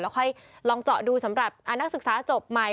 ค่อยลองเจาะดูสำหรับนักศึกษาจบใหม่